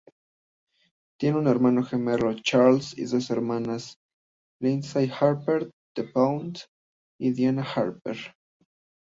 Tiene un hermano gemelo, Charles y dos hermanas, Lindsay Harper duPont y Diane Harper.